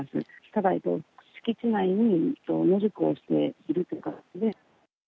ただ、敷地内に野宿をしているという形で。